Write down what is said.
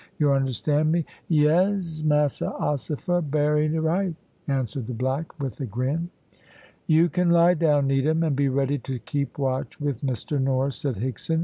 You understand me." "Yez, massa ossifer, berry right," answered the black, with a grin. "You can lie down, Needham, and be ready to keep watch with Mr Norris," said Higson.